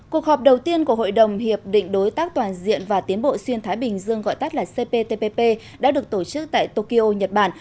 cuộc họp đầu tiên của hội đồng hiệp định đối tác toàn diện và tiến bộ xuyên thái bình dương gọi tắt là cptpp đã được tổ chức tại tokyo nhật bản